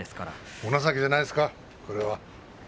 お情けじゃないんですか、これは。